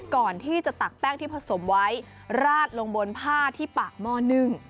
ตักแป้งที่ผสมไว้ราดลงบนผ้าที่ปากหม้อนึ่ง